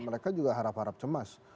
mereka juga harap harap cemas